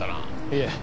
いえ。